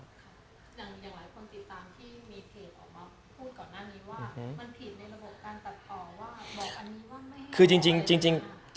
อย่างหลายคนติดตามที่มีเพจออกมาพูดกับหน้านี้ว่ามันผิดในระบบการตัดข่อว่าบอกอันนี้ว่าไม่ได้